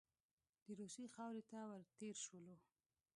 د روسیې خاورې ته ور تېر شولو.